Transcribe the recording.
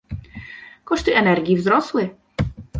Koszty energii wzrosły